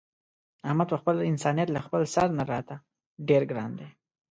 احمد په خپل انسانیت له خپل سر نه راته ډېر ګران دی.